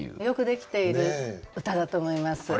よくできている歌だと思います。